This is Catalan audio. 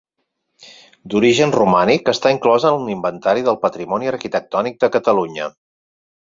D'origen romànic, està inclosa en l'Inventari del Patrimoni Arquitectònic de Catalunya.